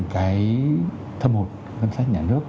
cái thâm hồn ngân sách nhà nước